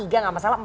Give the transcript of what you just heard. tiga gak masalah